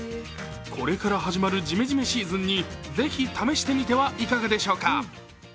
これから始まるジメジメシーズンにぜひ試してみてはいかがでしょうか？